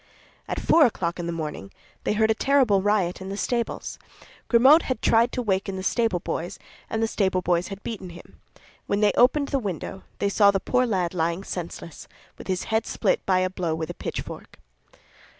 At four o'clock in the morning they heard a terrible riot in the stables. Grimaud had tried to waken the stable boys, and the stable boys had beaten him. When they opened the window, they saw the poor lad lying senseless, with his head split by a blow with a pitchfork.